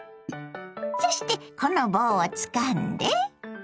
そしてこの棒をつかんで。